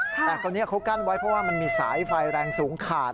แต่คนนี้เขากั้นไว้เพราะว่ามันมีสายไฟแรงสูงขาด